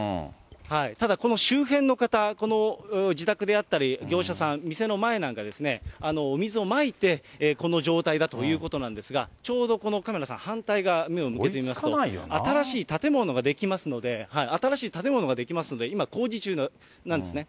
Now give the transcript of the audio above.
ただ、この周辺の方、この自宅であったり、業者さん、店の前なんかですね、お水をまいてこの状態だということなんですが、ちょうどこの、カメラさん、反対側、目を向けてみますと、新しい建物ができますので、新しい建物が出来ますので、今、工事中なんですね。